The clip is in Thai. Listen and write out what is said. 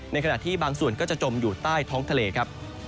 ในขณะที่บางส่วนก็จะจมอยู่ใต้ท้องทะเลครับ